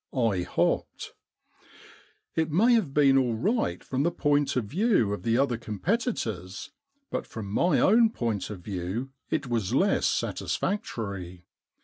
I hopped. It may have been all right from the point of view of the other competitors, but from my own point of view it was less satisfactory.